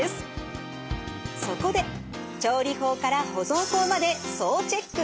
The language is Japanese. そこで調理法から保存法まで総チェック。